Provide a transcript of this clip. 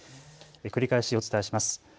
繰り返しお伝えします。